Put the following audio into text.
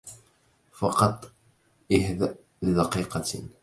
فقط اهدئ لدقيقة.